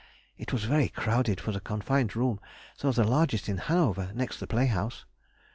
It was very crowded for the confined room, though the largest in Hanover next the play house.